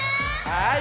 はい！